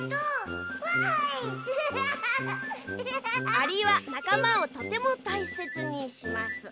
「アリはなかまをとてもたいせつにします」。